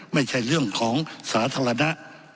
ไม่ใช่เรื่องของสาธารณะ